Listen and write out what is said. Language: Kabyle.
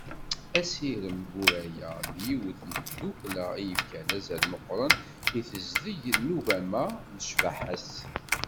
Asirem Guraya d yiwet n tdukkla i yefkan azal meqqren i tezdeg n ugama d ccbaḥa-s.